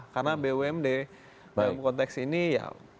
karena bumd dalam konteks ini ya